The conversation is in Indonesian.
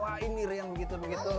ya wah ini yang begitu begitu